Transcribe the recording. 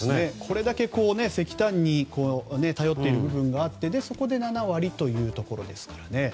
これだけ石炭に頼っている部分があってそこで７割というところですからね。